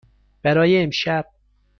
برای امشب.